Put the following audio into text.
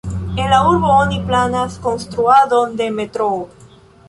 En la urbo oni planas konstruadon de metroo.